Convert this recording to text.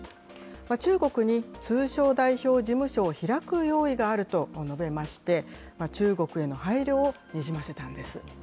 中国に通商代表事務所を開く用意があると述べまして、中国への配慮をにじませたんです。